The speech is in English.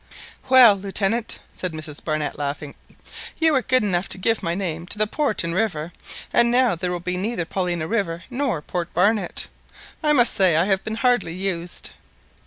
"Well, Lieutenant," said Mrs Barnett, laughing, "you were good enough to give my name to the port and river, and now there will be neither Paulina river nor Port Barnett. I must say I have been hardly used."